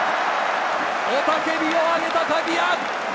雄たけびを上げた鍵谷！